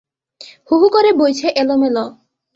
হু হু করে বইছে এলোমেলো।